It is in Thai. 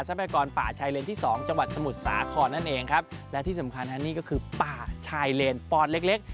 พากรป่าชายเลนที่สองจังหวัดสมุทรสาครนั่นเองครับและที่สำคัญฮะนี่ก็คือป่าชายเลนปอนเล็กเล็ก